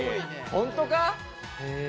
本当か？